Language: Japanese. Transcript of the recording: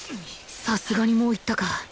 さすがにもう行ったか